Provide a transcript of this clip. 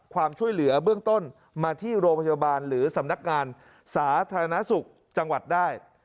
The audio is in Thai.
ความช่วยเหลือเบื้องต้นมาที่โรงพยาบาลหรือสำนักงานสาธารณสุขจังหวัดได้